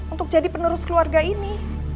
untuk jadi penerus keluarga ini